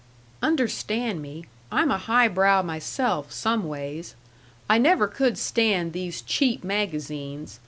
"Understan' me; I'm a high brow myself some ways. I never could stand these cheap magazines.